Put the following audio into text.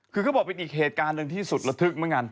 คือเขาบอกเป็นอีกเหตุการณ์หนึ่งที่สุดระทึกเหมือนกัน